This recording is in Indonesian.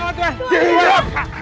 tuan jangan tuan tuan jangan tuan